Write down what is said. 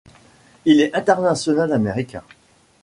Il est international américain.